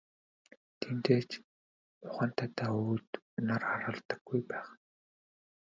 Тиймдээ ч ухаантайгаа өөд нар харуулдаггүй байх.